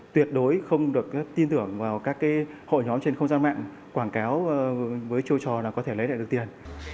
tuyệt đối không được tin tưởng vào các hội nhóm trên không gian mạng quảng cáo với châu trò là có thể lấy lại được tiền